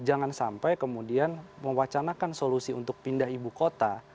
jangan sampai kemudian mewacanakan solusi untuk pindah ibu kota